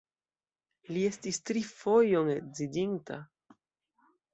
Li estis tri fojon edziĝinta.